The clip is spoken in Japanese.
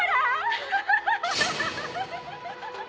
「アハハハハハッ！」